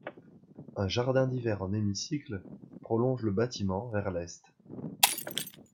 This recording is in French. Un jardin d'hiver en hémicycle prolonge le bâtiment vers l'est.